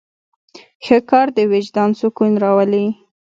ښه کار د وجدان سکون راولي.